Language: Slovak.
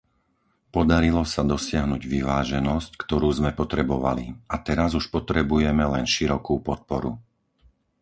Podarilo sa dosiahnuť vyváženosť, ktorú sme potrebovali, a teraz už potrebujeme len širokú podporu.